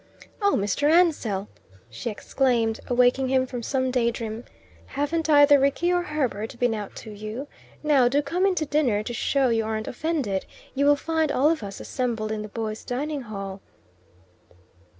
"Oh, Mr. Ansell!" she exclaimed, awaking him from some day dream. "Haven't either Rickie or Herbert been out to you? Now, do come into dinner, to show you aren't offended. You will find all of us assembled in the boys' dining hall."